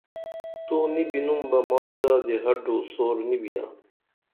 تو نی بِنُم بہ مائی زادی ہڈو سُور نی بیاں